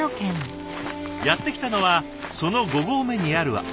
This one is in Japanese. やって来たのはその５合目にある空き地。